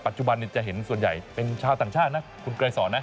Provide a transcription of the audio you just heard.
จุบันจะเห็นส่วนใหญ่เป็นชาวต่างชาตินะคุณไกรสอนนะ